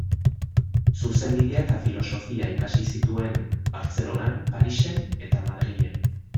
Zuzenbidea eta filosofia ikasi zituen Bartzelonan, Parisen eta Madrilen.